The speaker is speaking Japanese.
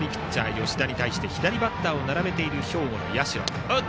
吉田に対して左バッターを並べている兵庫の社。